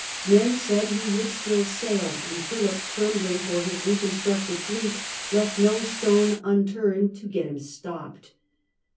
Men said he would still sail ; and Philip, trembling for his reconstructed fleet, left no stone unturned to get him stopped.